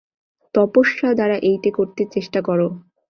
তপস্যা দ্বারা এইটে করতে চেষ্টা কর।